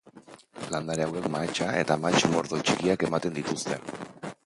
Landare hauek mahatsa eta mahats-mordo txikiak ematen dituzte.